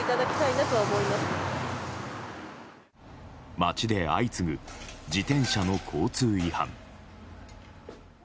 街で相次ぐ自転車の交通違反。